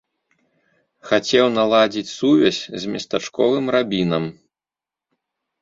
Хацеў наладзіць сувязь з местачковым рабінам.